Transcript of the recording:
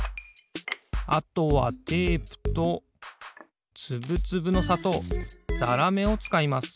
あとはテープとつぶつぶのさとうざらめをつかいます。